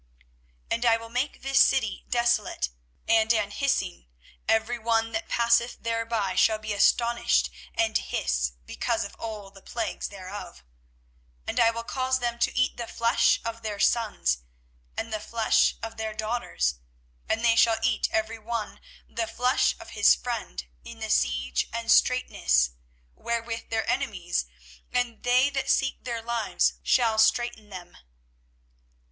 24:019:008 And I will make this city desolate, and an hissing; every one that passeth thereby shall be astonished and hiss because of all the plagues thereof. 24:019:009 And I will cause them to eat the flesh of their sons and the flesh of their daughters, and they shall eat every one the flesh of his friend in the siege and straitness, wherewith their enemies, and they that seek their lives, shall straiten them.